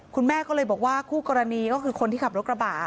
คุณแม่ก็เลยบอกว่าคู่กรณีก็คือคนที่ขับรถกระบะ